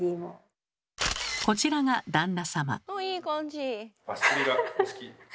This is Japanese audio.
こちらが旦那様。